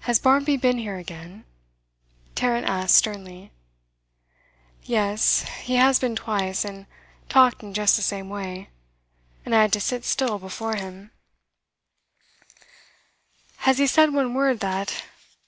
'Has Barmby been here again?' Tarrant asked sternly. 'Yes. He has been twice, and talked in just the same way, and I had to sit still before him ' 'Has he said one word that